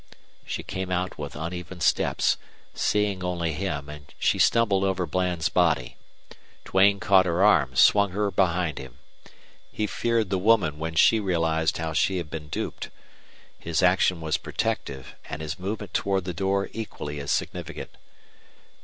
She came out with uneven steps, seeing only him, and she stumbled over Bland's body. Duane caught her arm, swung her behind him. He feared the woman when she realized how she had been duped. His action was protective, and his movement toward the door equally as significant.